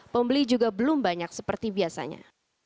pembeli juga belum banyak seperti biasanya